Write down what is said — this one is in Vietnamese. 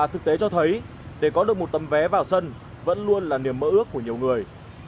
hoặc dân vẫn luôn là niềm mơ ước của nhiều người